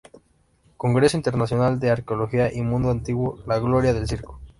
Congreso Internacional de Arqueología y mundo antiguo: La gloria del Circo.